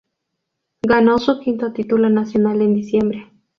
Ganó su quinto título nacional en diciembre.